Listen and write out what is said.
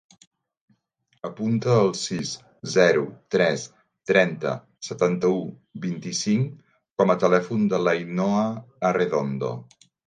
Apunta el sis, zero, tres, trenta, setanta-u, vint-i-cinc com a telèfon de l'Ainhoa Arredondo.